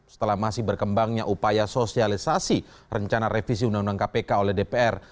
setelah masih berkembangnya upaya sosialisasi rencana revisi undang undang kpk oleh dpr